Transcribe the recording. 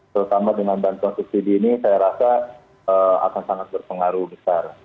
terutama dengan bantuan subsidi ini saya rasa akan sangat berpengaruh besar